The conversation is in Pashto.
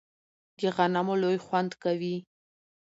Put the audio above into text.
د غنمو لو خوند کوي